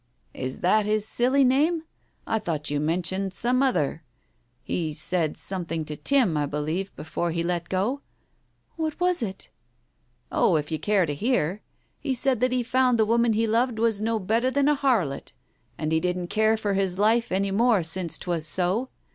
"Is that his silly name? I thought you mentioned some other. He said something to Tim, I believe, before he let go " "What was it?" "Oh, if you care to hear ! He said that he found the woman he loved was no better than a harlot, and he didn't care for his life any more since 'twas so.